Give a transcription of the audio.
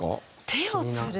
手をつる。